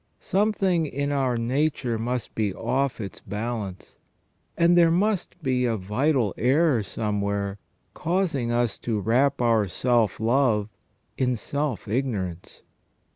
Something in our nature must be off its balance, and there must be a vital error somewhere causing us to wrap our self love in self ignorance.